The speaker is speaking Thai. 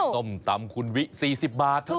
ส้มตำคุณวิ๔๐บาทเท่านั้น